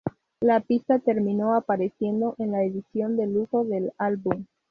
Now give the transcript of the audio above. La pista terminó apareciendo en la edición de lujo del álbum.